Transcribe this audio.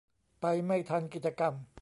ไปไม่ทันกิจกรรม